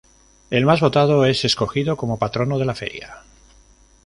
El más votado es escogido como Patrono de la feria.